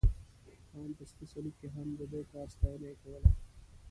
ان په سره صلیب کې هم، د دې کار ستاینه یې کوله.